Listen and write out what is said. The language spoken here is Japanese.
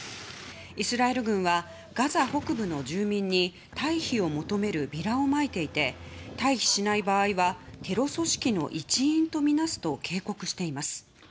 イスラエル軍はガザ北部の住民に退避を求めるビラをまいていて退避しない場合はテロ組織の一員とみなすと警告しています。